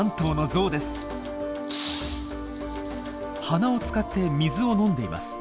鼻を使って水を飲んでいます。